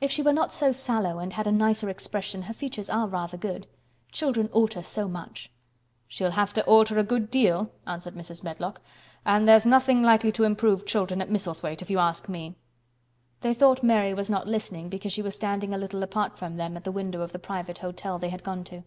"If she were not so sallow and had a nicer expression, her features are rather good. Children alter so much." "She'll have to alter a good deal," answered Mrs. Medlock. "And, there's nothing likely to improve children at Misselthwaite—if you ask me!" They thought Mary was not listening because she was standing a little apart from them at the window of the private hotel they had gone to.